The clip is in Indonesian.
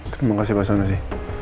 terima kasih pasanusi